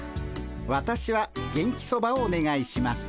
わたしは元気そばをおねがいします。